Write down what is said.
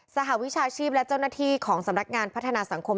สหวิชาชีพและเจ้าหน้าที่ของสำนักงานพัฒนาสังคม